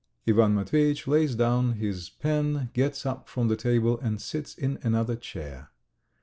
Ivan Matveyitch lays down his pen, gets up from the table and sits in another chair.